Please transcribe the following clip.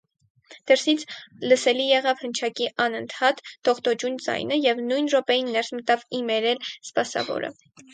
Դրսից լսելի եղավ հնչակի անընդհատ, դողդոջուն ձայնը, և նույն րոպեին ներս մտավ իմերել սպասավորը: